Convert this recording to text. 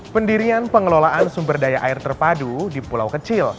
pendirian pengelolaan sumber daya air terpadu di pulau kecil